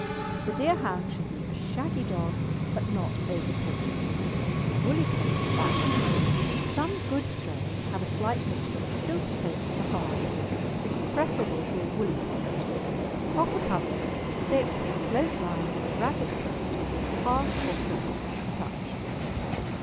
The Deerhound should be a shaggy dog, but not over coated. A woolly coat is bad. Some good strains have a slight mixture of silky coat with the hard, which is preferable to a woolly coat, but the proper covering is a thick, close lying, ragged coat, harsh or crisp to the touch.